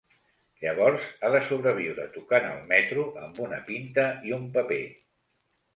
Llavors ha de sobreviure tocant al metro amb una pinta i un paper.